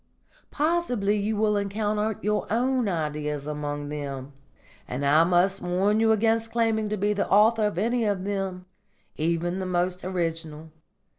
Possibly you will encounter your own ideas among them; and I must warn you against claiming to be the author of any of them, even the most original.